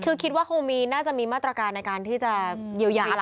คือคิดว่าคงน่าจะมีมาตรการในการที่จะเยียวยาล่ะ